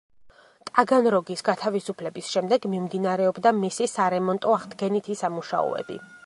ტაგანროგის გათავისუფლების შემდეგ მიმდინარეობდა მისი სარემონტო-აღდგენითი სამუშაოები.